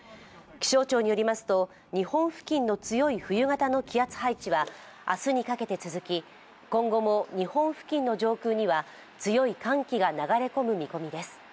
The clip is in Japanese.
気象庁によりますと、日本付近の強い冬型の気圧配置は明日にかけて続き、今後も日本付近の上空には強い寒気が流れ込む見込みです。